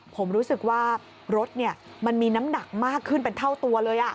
ผมรู้สึกว่ารถมันมีน้ำหนักมากขึ้นเป็นเท่าตัวเลย